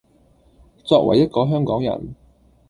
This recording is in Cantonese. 作為一個香港人